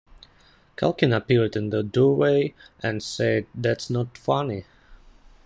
Culkin appeared in the doorway and said, That's not funny.